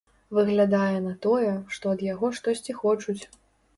Выглядае на тое, што ад яго штосьці хочуць.